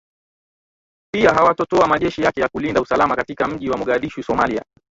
pia hawatatoa majeshi yake ya kulinda usalama katika mji wa mogadishu somalia